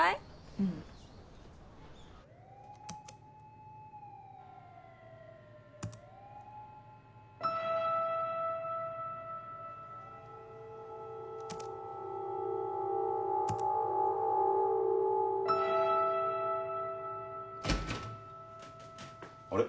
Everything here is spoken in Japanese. うん。あれ？